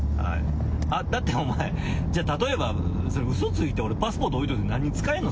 だってお前、じゃあ例えば、うそついて俺、パスポート置いといて、なんに使えんの？